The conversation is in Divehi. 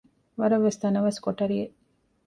ވަރަށްވެސް ތަނަވަސް ކޮޓަރިއެއް